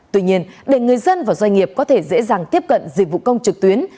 tuy nhiên để người dân và doanh nghiệp có thể dễ dàng tiếp cận dịch vụ công trực tuyến